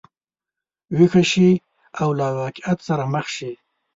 ویښه شي او له واقعیت سره مخ شي.